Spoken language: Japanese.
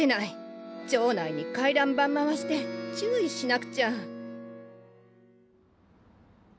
町内に回覧板回して注意しなくちゃ。